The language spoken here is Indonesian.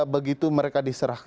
begitu mereka diserah